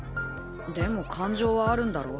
でも感情はあるんだろ？